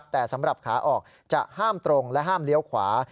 แต่สำหรับขาออกจะห้ามตรงและห้ามเลี้ยวขวา